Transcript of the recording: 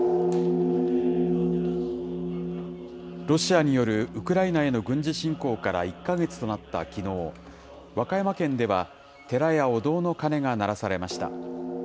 ロシアによるウクライナへの軍事侵攻から１か月となったきのう、和歌山県では、寺やお堂の鐘が鳴らされました。